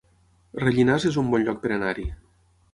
Rellinars es un bon lloc per anar-hi